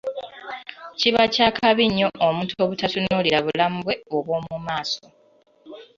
Kiba kya kabi nnyo omuntu obutatunuulira bulamu bwe obwo mumaaso.